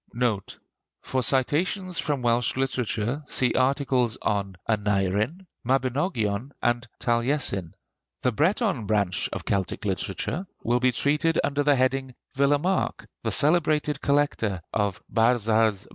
NOTE. For citations from Welsh literature see articles on Aneurin, Mabinogion, and Taliesin. The Breton branch of Celtic literature will be treated under the heading 'Villemarqué,' the celebrated collector of 'Barzaz Breiz.'